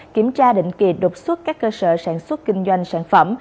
kiểm tra định kỳ đột xuất các cơ sở sản xuất kinh doanh sản phẩm